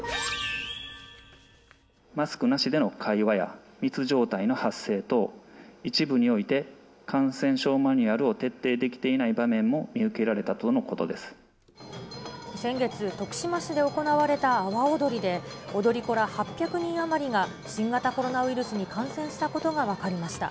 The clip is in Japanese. マスクなしでの会話や密状態の発生等、一部において感染症マニュアルを徹底できていない場面も見受けら先月、徳島市で行われた阿波おどりで、踊り子ら８００人余りが、新型コロナウイルスに感染したことが分かりました。